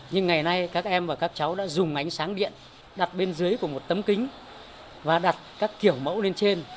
nhưng ngày nay các em và các cháu đã dùng ánh sáng điện đặt bên dưới của một tấm kính và đặt các kiểu mẫu lên trên